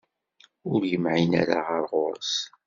Ur yemɛin ara ɣer ɣur-s.